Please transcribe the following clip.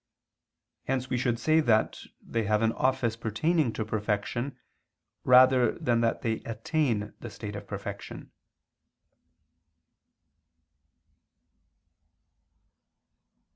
Hence we should say that they have an office pertaining to perfection rather than that they attain the state of perfection.